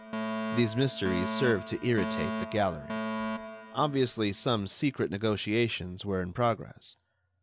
These mysteries served to irritate the gallery. Obviously, some secret negotiations were in progress.